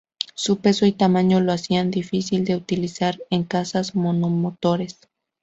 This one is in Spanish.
Su peso y tamaño lo hacían difícil de utilizar en cazas monomotores.